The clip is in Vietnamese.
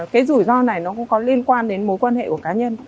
cái rủi ro này nó cũng có liên quan đến mối quan hệ của cá nhân